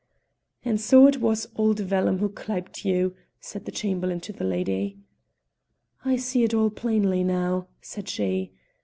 "And so it was old Vellum who clyped to you," said the Chamberlain to the lady. "I see it all plainly now," said she.